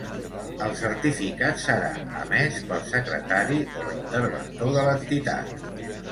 El certificat serà emès pel secretari o l'interventor de l'entitat.